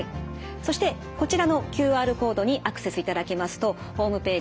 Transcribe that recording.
そしてこちらのＱＲコードにアクセスいただきますとホームページ